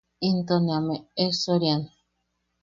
Into ne am e’esoriam.